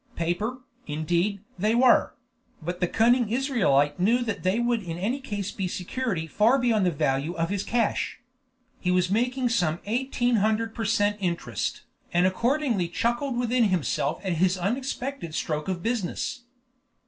Paper, indeed, they were; but the cunning Israelite knew that they would in any case be security far beyond the value of his cash. He was making some eighteen hundred per cent. interest, and accordingly chuckled within himself at his unexpected stroke of business.